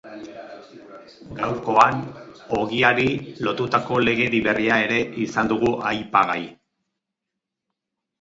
Gaurkoan, ogiari lotutako legedi berria ere izan dugu aipagai.